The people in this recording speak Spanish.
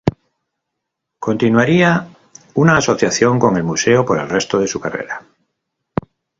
Continuaría una asociación con el Museo por el resto de su carrera.